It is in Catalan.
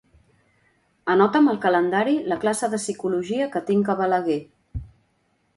Anota'm al calendari la classe de psicologia que tinc a Balaguer.